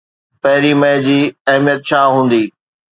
پهرين مئي جي اهميت ڇا هوندي؟